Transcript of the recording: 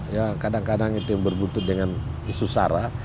ya kadang kadang itu yang berbuntut dengan isu sara